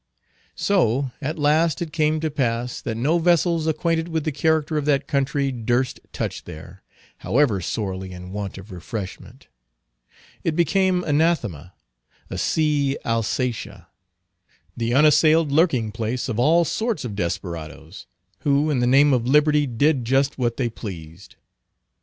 So at last it came to pass that no vessels acquainted with the character of that country durst touch there, however sorely in want of refreshment. It became Anathema—a sea Alsatia—the unassailed lurking place of all sorts of desperadoes, who in the name of liberty did just what they pleased.